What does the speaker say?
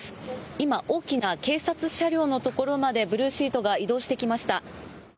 今、大きな警察車両のところまでブルーシートが移動してきました。